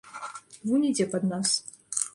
Вунь ідзе пад нас.